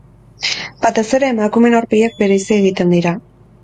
Batez ere emakumeen aurpegiak bereizi egiten dira.